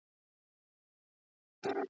یوه غټه زنګوله یې وه په غاړه !.